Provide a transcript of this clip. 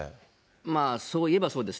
まあそういえばそうです。